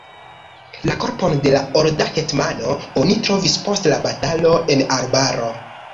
La korpon de la olda hetmano oni trovis post la batalo en arbaro.